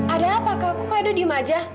ada apa kak kok kak edo diem aja